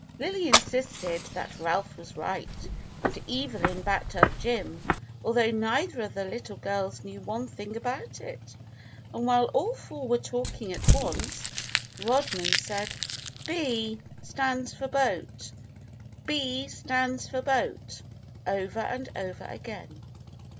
Lily insisted that Ralph was right and Evelyn backed up Jim, although neither of the little girls knew one thing about it, and while all four were talk ing at once, Rodman said, "B stands for boat, B stands for boat," over and over again.